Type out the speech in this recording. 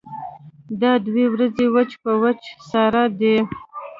دا دوه ورځې وچ په وچه ساړه دي.